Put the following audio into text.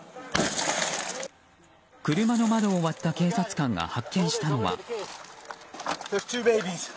車の窓を割った警察官が発見したのは。